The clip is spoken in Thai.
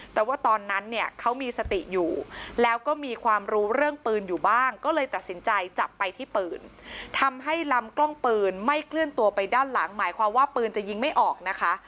แต่ว่าตอนนั้นเนี่ยเขามีสติอยู่แล้วก็มีความรู้เรื่องปืนอยู่บ้างก็เลยตัดสินใจจับไปที่ปืนทำให้ลำกล้องปืนไม่เคลื่อนตัวไปด้านหลังหมายความว่าปืนจะยิงไม่ออกนะคะ